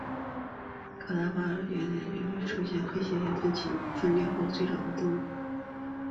卡达巴地猿相信是人类分支从现今黑猩猩分支分裂后的最早动物。